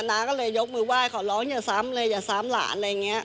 น้าก็เลยยกมือไหว้ขอร้องอย่าซ้ำเลยอย่าซ้ำหลานอะไรอย่างนี้